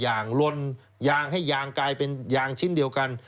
ลนยางให้ยางกลายเป็นยางชิ้นเดียวกัน